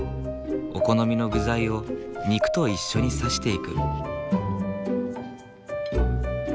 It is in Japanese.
お好みの具材を肉と一緒に刺していく。